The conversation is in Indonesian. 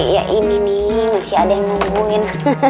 ya ini nih masih ada yang nungguin